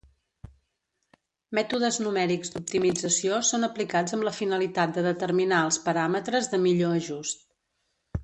Mètodes numèrics d'optimització són aplicats amb la finalitat de determinar els paràmetres de millor ajust.